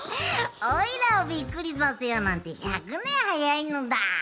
おいらをびっくりさせようなんて１００ねんはやいのだ。